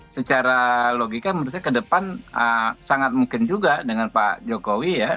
secara logika menurut saya ke depan sangat mungkin juga dengan pak jokowi ya